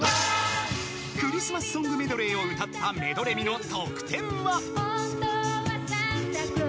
［クリスマスソングメドレーを歌っためどれみの得点は］